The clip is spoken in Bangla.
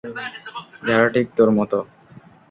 যারা ঠিক তোর মতো।